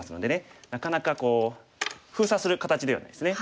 なかなかこう封鎖する形ではないですね。